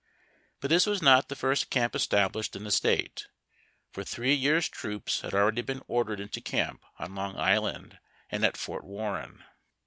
But this was not the first camp established in the State, for three years' troops had already been ordered into camp on Long Island and at Fort Warren.